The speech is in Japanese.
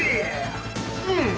うん！